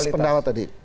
saya sependapat tadi